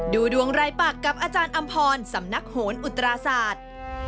ดูดวงรายปากกับอาจารย์อำพรสำนักโหนอุตราศาสตร์